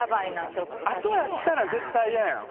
あとやったら絶対いややん。